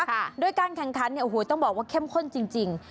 แต่ด้วยการแข็งคันเนี่ยต้องบอกว่าเข้มข้นจริง